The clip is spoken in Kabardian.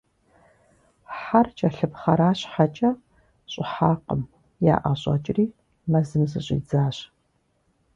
Хьэр кӏэлъыпхъэра щхьэкӏэ, щӏыхьакъым - яӏэщӏэкӏри, мэзым зыщӏидзащ.